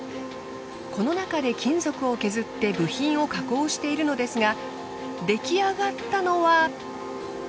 この中で金属を削って部品を加工しているのですができあがったのは。